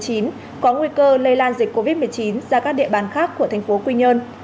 có nguy cơ lây lan dịch covid một mươi chín ra các địa bàn khác của tp quy nhơn